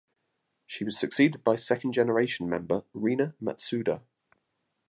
She was succeeded by second generation member Rina Matsuda.